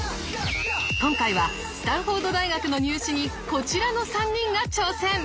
今回はスタンフォード大学の入試にこちらの３人が挑戦！